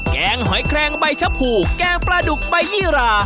แกงหอยแครงใบชะพูแกงปลาดุกใบยี่รา